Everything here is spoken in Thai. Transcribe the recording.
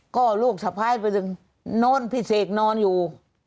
ก็ลูกสะพ้ายไปถึงนอนพี่เสกนอนอยู่